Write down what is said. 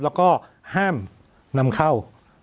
แล้วก็ห้ามนำเข้า